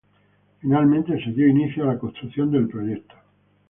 Finalmente, se dio inicio a la construcción del proyecto.